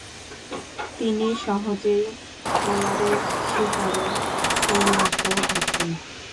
তিনি সহজেই বোলারের শিকারে পরিণত হতেন।